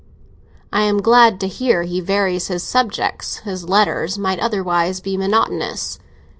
"I am glad to hear he varies his subjects; his letters might otherwise be monotonous."